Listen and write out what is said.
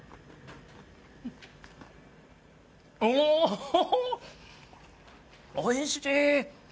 おーっ、おいしい。